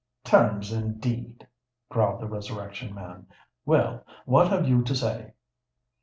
"Terms, indeed!" growled the Resurrection Man. "Well—what have you to say?"